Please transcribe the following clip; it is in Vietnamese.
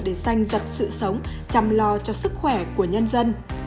đó là màu xanh dật sự sống chăm lo cho sức khỏe của nhân dân